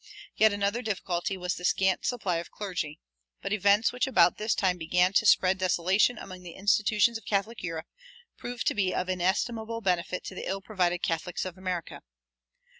Yet another difficulty was the scant supply of clergy; but events which about this time began to spread desolation among the institutions of Catholic Europe proved to be of inestimable benefit to the ill provided Catholics of America.